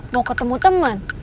mau ketemu teman